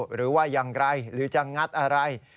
หรือว่าอย่างไรหรือจะงัดอะไร